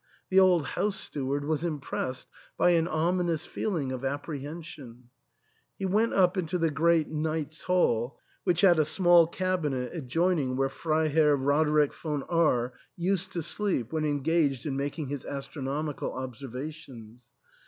The old house steward was impressed by an ominous feeling of apprehen sion. He went up into the great Knight's Hall, which had a small cabinet adjoining where Freiherr Roderick von R used to sleep when engaged in making his astronomical observations.